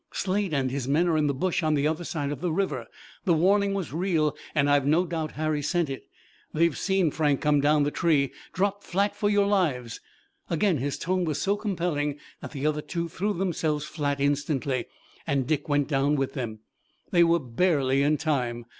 "Slade and his men are in the bush on the other side of the river. The warning was real and I've no doubt Harry sent it. They've seen Frank come down the tree! Drop flat for your lives!" Again his tone was so compelling that the other two threw themselves flat instantly, and Dick went down with them. They were barely in time.